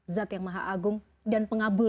zat yang mahalnya adalah doa kepada allah swt